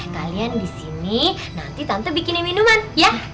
kalian di sini nanti tante bikinin minuman ya